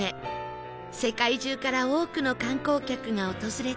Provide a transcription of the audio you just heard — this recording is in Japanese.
世界中から多くの観光客が訪れています